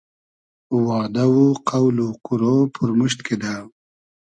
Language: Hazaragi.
وادۂ و قۆل و قورۉ پورموشت کیدۂ